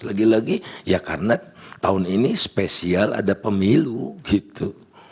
lagi lagi ya karena tahun ini spesial ada pemilu gitu